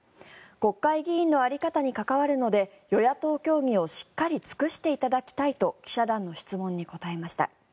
国会議員の在り方に関わるので与野党協議をしっかり尽くしていただきたいと記者団の質問に答えました。